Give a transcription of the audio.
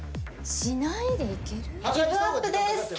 しないでいける？